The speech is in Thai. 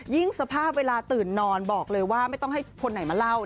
สภาพเวลาตื่นนอนบอกเลยว่าไม่ต้องให้คนไหนมาเล่า